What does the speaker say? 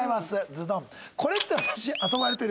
ズドン。